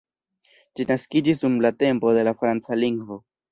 Ĝi naskiĝis dum la tempo de la franca lingvo.